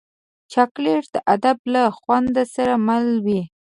چاکلېټ د ادب له خوند سره مل وي.